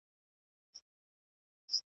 د پښتو ادب معاصره دوره په بریا مخکې ځي.